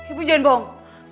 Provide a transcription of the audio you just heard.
ibu jangan bohong